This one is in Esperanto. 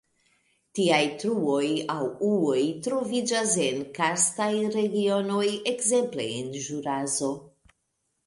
Tiaj truoj aŭ ujoj troviĝas en karstaj regionoj, ekzemple en Ĵuraso.